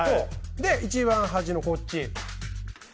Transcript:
で、一番端のこっち。